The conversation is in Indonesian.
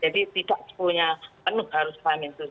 jadi tidak sepuluhnya penuh harus hal min tujuh